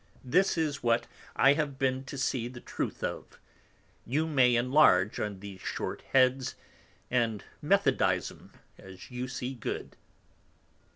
This is what I have been to see the truth of. You may enlarge on these short Heads, and methodize 'em as you see good.